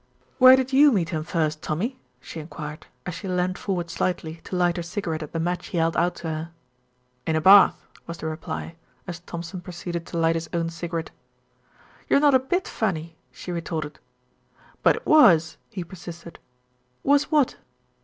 "Where did you meet him first, Tommy?" she enquired, as she leaned forward slightly to light her cigarette at the match he held out to her. "In a bath," was the reply, as Thompson proceeded to light his own cigarette. "You're not a bit funny," she retorted. "But it was," he persisted. "Was what?"